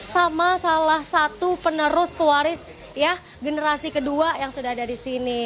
sama salah satu penerus pewaris generasi kedua yang sudah ada di sini